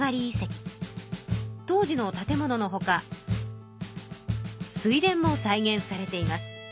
当時の建物のほか水田も再現されています。